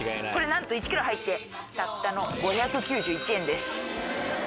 これなんと１ｋｇ入ってたったの５９１円です。